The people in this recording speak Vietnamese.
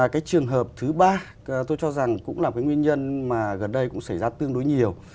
cái trường hợp thứ ba tôi cho rằng cũng là cái nguyên nhân mà gần đây cũng xảy ra tương đối nhiều